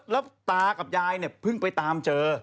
แล้วตากับยายเนี่ยเพิ่งไปตามเจอ